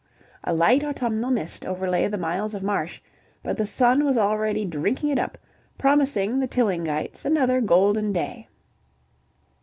A light autumnal mist overlay the miles of marsh, but the sun was already drinking it up, promising the Tillingites another golden day.